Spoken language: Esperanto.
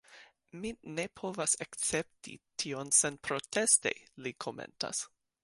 Mi ne povas akcepti tion senproteste, li komentas.